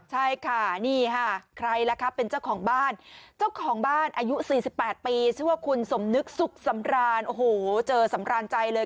ใช่ค่ะนี่ค่ะใครล่ะครับเป็นเจ้าของบ้านเจ้าของบ้านอายุ๔๘ปีชื่อว่าคุณสมนึกสุขสำรานโอ้โหเจอสำราญใจเลย